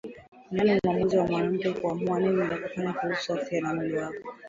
Ni nani muamuzi wa mwanamke kuamua nini la kufanya kuhusu afya na mwili wao?